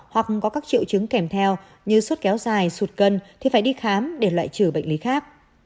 hoặc có các triệu chứng kèm theo như suốt kéo dài sụt cân thì phải đi khám để loại trừ bệnh lý khác